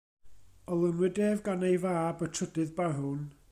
Olynwyd ef gan ei fab, y trydydd Barwn.